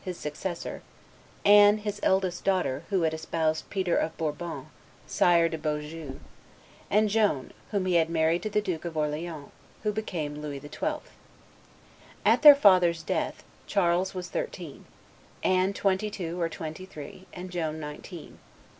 his successor; Anne, his eldest daughter, who had espoused Peter of Bourbon, Sire de Beaujeu; and Joan, whom he had married to the Duke of Orleans, who became Louis XII. At their father's death, Charles was thirteen; Anne twenty two or twenty three; and Joan nineteen.